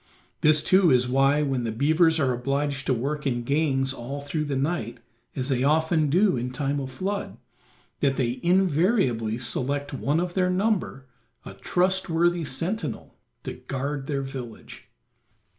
This too is why, when the beavers are obliged to work in gangs all through the night, as they often do in time of flood, that they invariably select one of their number, a trustworthy sentinel, to guard their village.